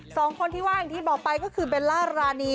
สองคนที่ว่าอย่างที่บอกไปก็คือเบลล่ารานี